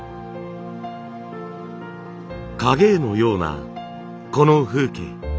影絵のようなこの風景。